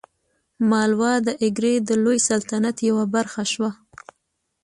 مالوه د اګرې د لوی سلطنت یوه برخه شوه.